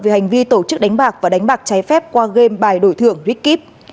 về hành vi tổ chức đánh bạc và đánh bạc trái phép qua game bài đổi thường rick kip